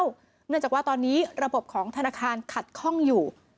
เนื่องจากว่าตอนนี้ระบบของธนาคารขัดข้องอยู่